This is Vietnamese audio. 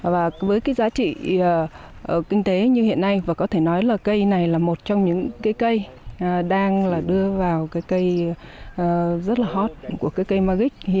và với cái giá trị kinh tế như hiện nay và có thể nói là cây này là một trong những cây đang đưa vào cây rất là hot của cây magic